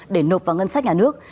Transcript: để nộp vào ngân sách nhà nước